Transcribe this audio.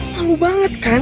malu banget kan